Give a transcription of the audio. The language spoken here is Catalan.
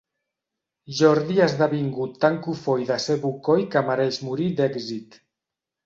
Jordi ha esdevingut tan cofoi de ser bocoi que mereix morir d'èxit.